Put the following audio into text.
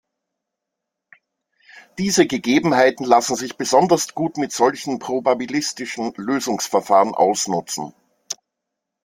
Diese Gegebenheiten lassen sich besonders gut mit solchen probabilistischen Lösungsverfahren ausnutzen.